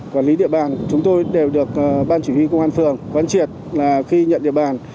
quản lý địa bàn chúng tôi đều được ban chỉ huy công an phường quán triệt là khi nhận địa bàn